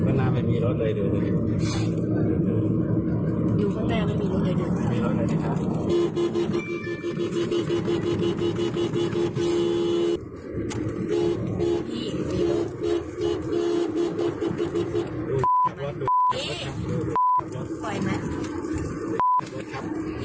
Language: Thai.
อะครับตรงนั้นไม่มีรถเลยเดี๋ยวเลย